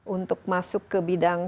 untuk masuk ke bidang